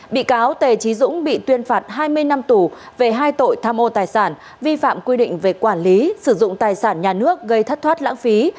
bị cáo tề trí dũng bị tuyên phạt hai mươi năm tù về hai tội tham ô tài sản vi phạm quy định về quản lý sử dụng tài sản nhà nước gây thất thoát lãng phí